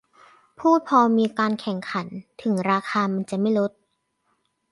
พูดพอมีการแข่งขัน ถึงราคามันจะไม่ลด